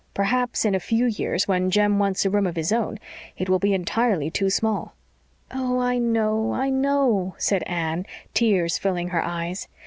Perhaps, in a few years, when Jem wants a room of his own, it will be entirely too small." "Oh, I know I know," said Anne, tears filling her eyes.